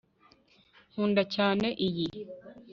Nkunda cyane iyi